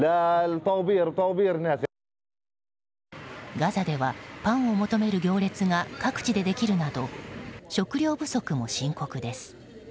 ガザではパンを求める行列が各地でできるなど食料不足も深刻です。